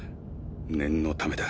念のためだ。